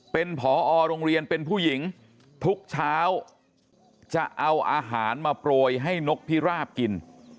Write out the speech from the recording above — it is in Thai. เป็นผอโรงเรียนเป็นผู้หญิงทุกเช้าจะเอาอาหารมาโปรยให้นกพิราบกิน